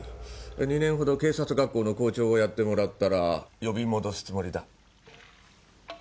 ２年ほど警察学校の校長をやってもらったら呼び戻すつもりだ。